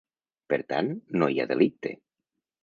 Per tant, no hi ha delicte.